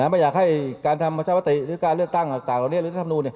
ไม่อยากให้การทำประชาปติหรือการเลือกตั้งต่างเนี่ย